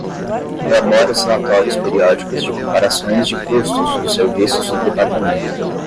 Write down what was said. Elabora os relatórios periódicos de comparações de custos dos serviços do Departamento.